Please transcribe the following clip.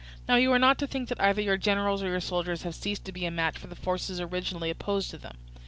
"Now you are not to think that either your generals or your soldiers have ceased to be a match for the forces originally opposed to them.